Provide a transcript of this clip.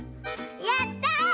やった！